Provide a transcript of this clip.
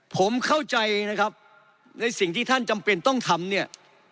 ผมเข้าใจนะครับในสิ่งที่ท่านจำเป็นต้องทำเนี่ย